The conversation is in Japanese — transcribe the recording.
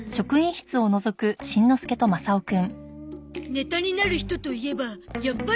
ネタになる人といえばやっぱり梅さん。